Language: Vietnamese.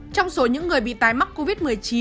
trong số những người bị tái mắc covid một mươi chín